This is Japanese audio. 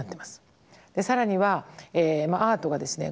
更にはアートがですね